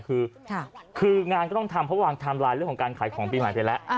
คืองานก็ต้องทำเพราะวางไทม์ไลน์เรื่องของการขายของปีใหม่ไปแล้ว